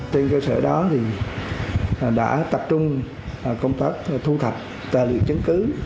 tên cơ sở đó đã tập trung công tác thu thập tài liệu chứng cứ